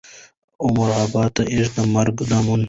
او مرغانو ته ایږدي د مرګ دامونه